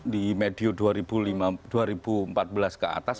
di medio dua ribu empat belas ke atas